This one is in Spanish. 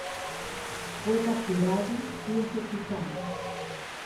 Fue capturado y ejecutado.